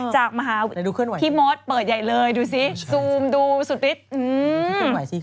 จากมหาวิทยาลัยพี่มดเปิดใหญ่เลยดูสิซูมดูสุดฤทธิ์